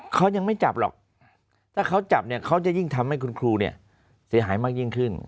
เขายังไม่จับหรอกถ้าเขาจับเนี่ยเขาจะยิ่งทำให้คุณครูเนี่ยเสียหายมากยิ่งขึ้น